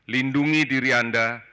lindungi diri anda